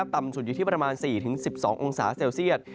ต่ำสุดอยู่ที่ประมาณ๔๑๒องศาเซลเซียต